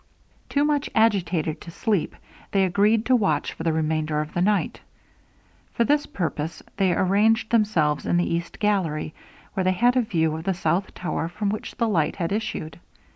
Too much agitated to sleep, they agreed to watch for the remainder of the night. For this purpose they arranged themselves in the east gallery, where they had a view of the south tower from which the light had issued.